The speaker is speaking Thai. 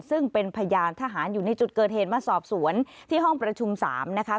ซึ่งเป็นพยานทหารอยู่ในจุดเกิดเหตุมาสอบสวนที่ห้องประชุม๓นะคะ